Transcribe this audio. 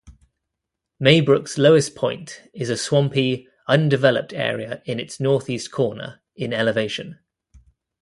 Maybrook's lowest point is a swampy, undeveloped area in its northeast corner, in elevation.